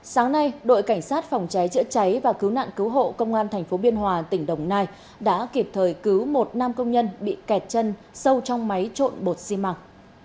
sáng nay đội cảnh sát phòng cháy chữa cháy và cứu nạn cứu hộ công an tp biên hòa tỉnh đồng nai đã kịp thời cứu một nam công nhân bị kẹt chân sâu trong máy trộn bột xi mặc